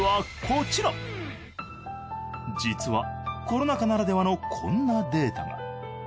実はコロナ禍ならではのこんなデータが。